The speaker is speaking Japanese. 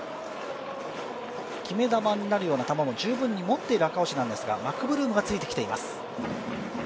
決め球になるような球も十分に持っている赤星なんですが、マクブルームがついてきています。